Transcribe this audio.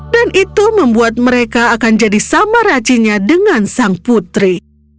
dan itu membuat mereka akan jadi sama rajinnya dengan sang putri